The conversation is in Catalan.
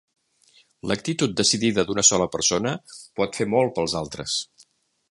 L'actitud decidida d'una sola persona pot fer molt pels altres.